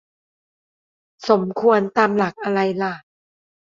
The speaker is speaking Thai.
"สมควร" ตามหลักอะไรล่ะ